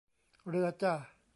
เรือจ้ะ